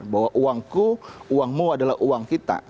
bahwa uangku uangmu adalah uang kita